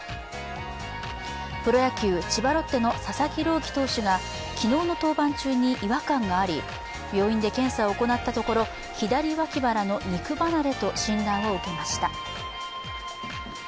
プロ野球、千葉ロッテの佐々木朗希投手が昨日の登板中に違和感があり、病院で検査を行ったところ左脇腹の肉離れと診断を受けました。